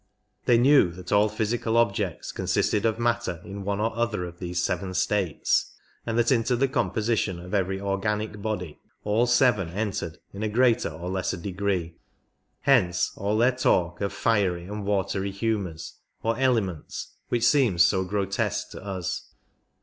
They knew that all physical objects consisted of matter in one or other of these seven states, and that into the composition of every organic body all seven entered in a greater or lesser degree ; hence all their talk of fiery and watery humours, or " elements," which seems so grotesque to us.